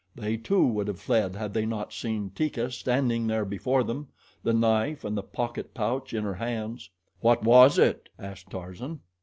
They, too, would have fled had they not seen Teeka standing there before them, the knife and the pocket pouch in her hands. "What was it?" asked Tarzan.